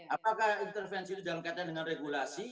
apakah intervensi itu dalam kaitan dengan regulasi